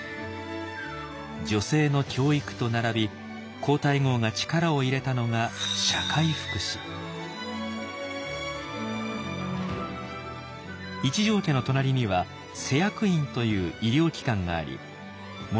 女性の教育と並び皇太后が力を入れたのが一条家の隣には施薬院という医療機関があり物